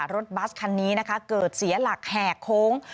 รถบัสคันนี้นะคะเกิดเสียหลักแหกโค้ง